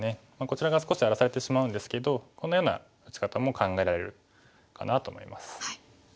こちらが少し荒らされてしまうんですけどこのような打ち方も考えられるかなと思います。